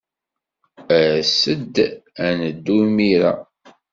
As-d ad neddu imir-a.